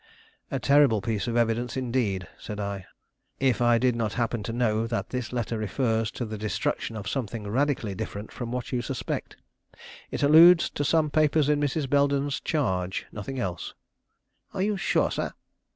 "A terrible piece of evidence, indeed," said I, "if I did not happen to know that this letter refers to the destruction of something radically different from what you suspect. It alludes to some papers in Mrs. Belden's charge; nothing else." "Are you sure, sir?"